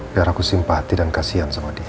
biar aku simpati dan kasian sama dia